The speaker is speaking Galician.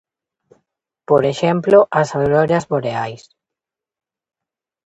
Por exemplo, as auroras boreais.